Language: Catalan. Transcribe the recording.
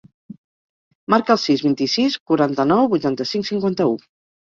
Marca el sis, vint-i-sis, quaranta-nou, vuitanta-cinc, cinquanta-u.